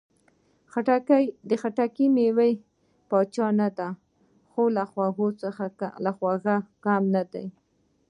خټکی د مېوې پاچا نه ده، خو له خوږو نه ده کمه.